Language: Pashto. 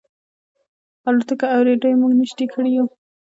الوتکو او رېډیو موږ نيژدې کړي یو.